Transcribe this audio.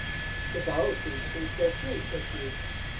"The gulls seem to think so, too," said Hugh.